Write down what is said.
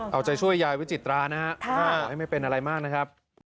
เอาใจช่วยยายวิจิตรานะฮะขอให้ไม่เป็นอะไรมากนะครับ